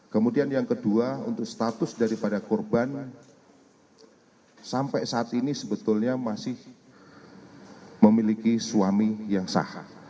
kemudian yang kedua untuk status daripada korban sampai saat ini sebetulnya masih memiliki suami yang sah